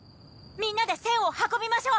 みんなで栓を運びましょう！